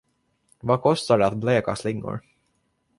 Vad kostar det att bleka slingor?